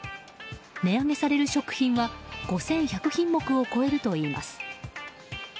値上げされる食品は５１００品目を超えるといいます。